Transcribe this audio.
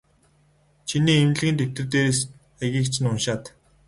Чиний эмнэлгийн дэвтэр дээрээс хаягийг чинь уншаад.